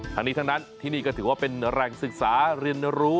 ทั้งนี้ทั้งนั้นที่นี่ก็ถือว่าเป็นแหล่งศึกษาเรียนรู้